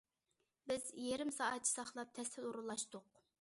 بىز يېرىم سائەتچە ساقلاپ تەستە ئورۇنلاشتۇق.